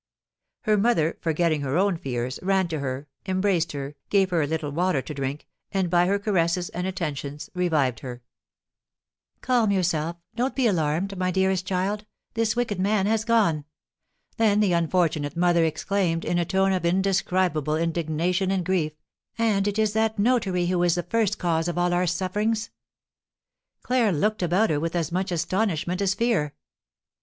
Her mother, forgetting her own fears, ran to her, embraced her, gave her a little water to drink, and by her caresses and attentions revived her. When she saw her gradually recovering she said to her: "Calm yourself; don't be alarmed, my dearest child, this wicked man has gone." Then the unfortunate mother exclaimed, in a tone of indescribable indignation and grief, "And it is that notary who is the first cause of all our sufferings." Claire looked about her with as much astonishment as fear.